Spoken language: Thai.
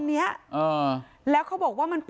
หยดต่อสิแล้วเขาบอกว่ามันแปลกตรงที่